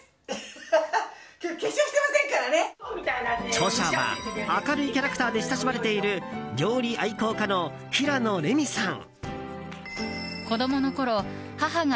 著者は、明るいキャラクターで親しまれている料理愛好家の平野レミさん。